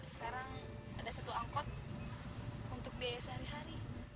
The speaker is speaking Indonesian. sekarang ada satu angkot untuk biaya sehari hari